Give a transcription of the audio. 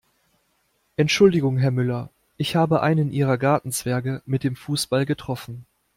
Entschuldigung Herr Müller, ich habe einen Ihrer Gartenzwerge mit dem Fußball getroffen.